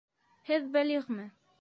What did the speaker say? Һеҙ бәлиғме?